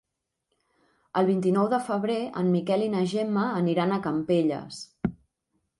El vint-i-nou de febrer en Miquel i na Gemma aniran a Campelles.